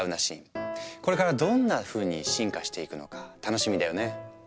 これからどんなふうに進化していくのか楽しみだよね。